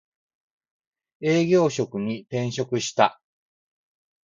営業職に転職した